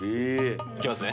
行きますね。